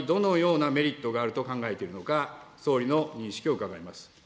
今回の提携で、ｉｍｅｃ側にどのようなメリットがあると考えているのか、総理の認識を伺いいます。